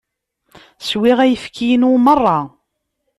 Swiɣ ayefki-inu merra.